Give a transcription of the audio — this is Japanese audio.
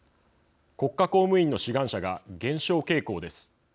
国家公務員の志願者が減少傾向です。